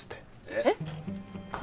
えっ？